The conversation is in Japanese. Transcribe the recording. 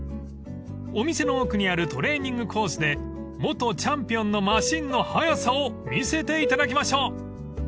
［お店の奥にあるトレーニングコースで元チャンピオンのマシンの速さを見せていただきましょう］